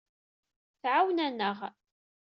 Tɛawen-aneɣ.